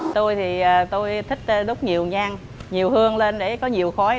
tôi thì tôi thích đốt nhiều nhang nhiều hương lên để có nhiều khói